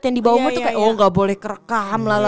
yang di bawah umur tuh kayak oh gak boleh kerekam